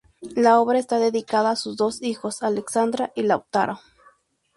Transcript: La obra está dedicada a sus dos hijos, Alexandra y Lautaro.